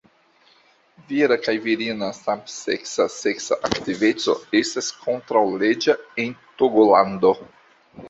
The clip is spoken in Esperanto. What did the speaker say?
Vira kaj virina samseksa seksa aktiveco estas kontraŭleĝa en Togolando.